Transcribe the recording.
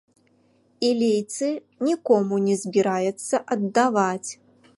І лейцы нікому не збіраецца аддаваць.